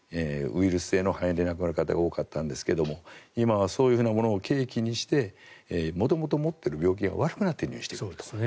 ウイルス性の肺炎で亡くなる方が多かったんですけれども今はそういうものを契機にして元々持っている病気が悪くなって入院していると。